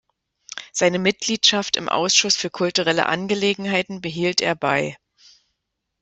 Seine Mitgliedschaft im Ausschuss für Kulturelle Angelegenheiten behielt er bei.